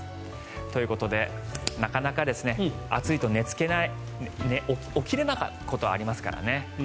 ということで、なかなか暑いと起きれないことありますからね。